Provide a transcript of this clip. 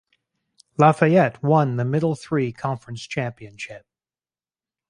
Lafayette won the Middle Three Conference championship.